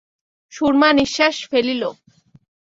সুরমা নিশ্বাস ফেলিল।